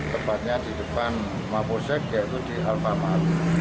tepatnya di depan rumah posek yaitu di alpamal